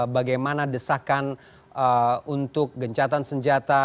bagaimana desakan untuk gencatan senjata